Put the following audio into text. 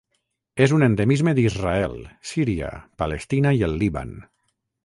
És un endemisme d'Israel, Síria, Palestina i el Líban.